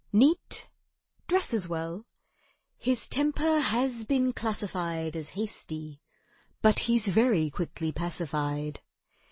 Neat—dresses well; his temper has been classified As hasty; but he's very quickly pacified.